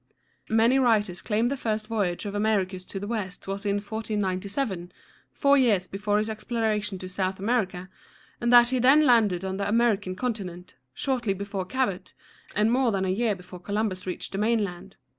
Many writers claim that the first voyage of Americus to the West was in 1497, four years before his exploration of South America, and that he then landed on the American continent, shortly before Cabot, and more than a year before Columbus reached the mainland.